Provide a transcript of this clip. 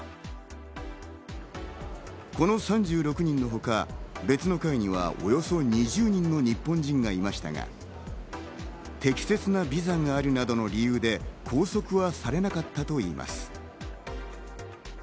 この３６人のほか、別の階にはおよそ２０人の日本人がいましたが、適切なビザがあるなどの理由で拘束はされなかったといいます。